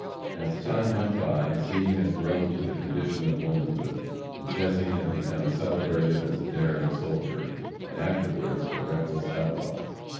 As time went by, Zee had grown to the condition of womanhood, and Jesse had become celebrated as a daring soldier, and afterwards a reckless outlaw.